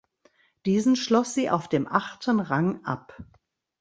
Diesen schloss sie auf dem achten Rang ab.